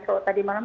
kalau tadi malam